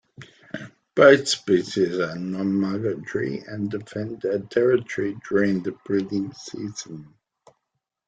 Both species are non migratory and defend a territory during the breeding season.